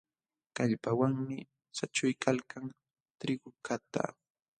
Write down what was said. Kallpawanmi saćhuykalkan trigukaqta.